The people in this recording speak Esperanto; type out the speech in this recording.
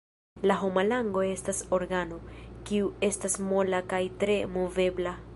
La homa lango estas organo, kiu estas mola kaj tre movebla.